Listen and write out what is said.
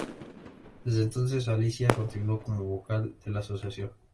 Desde entonces Alicia continuó como vocal de la asociación.